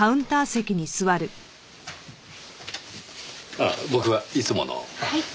ああ僕はいつものを。はい。